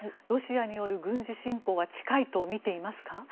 ロシアによる軍事侵攻は近いとみていますか？